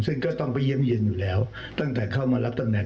ซึ่งก็ต้องไปเยี่ยมเย็นอยู่แล้วตั้งแต่เข้ามารับตำแหน